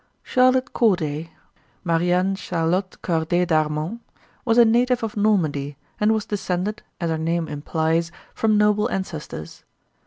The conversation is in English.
Charlotte Corday Marie Anne Charlotte Corday d'Armand was a native of Normandy, and was descended, as her name implies, from noble ancestors.